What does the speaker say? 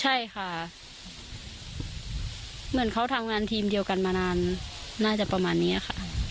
ใช่ค่ะเหมือนเขาทำงานทีมเดียวกันมานานน่าจะประมาณนี้ค่ะ